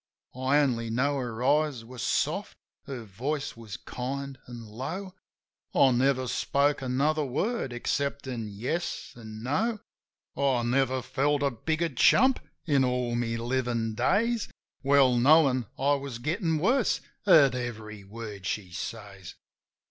I only know her eyes were soft, her voice was kind an' low. I never spoke another word exceptin' "Yes" an' "No." I never felt a bigger chump in all my livin' days. Well knowin' I was gettin' worse at every word she says.